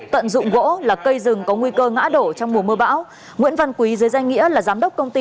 tận dụng gỗ là cây rừng có nguy cơ ngã đổ trong mùa mưa bão nguyễn văn quý dưới danh nghĩa là giám đốc công ty